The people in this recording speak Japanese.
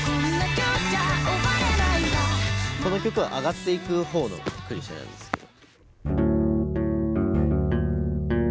この曲は上がっていくほうのクリシェなんですけど。